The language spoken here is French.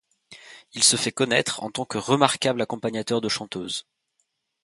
Il se fait connaître en tant que remarquable accompagnateur de chanteuses.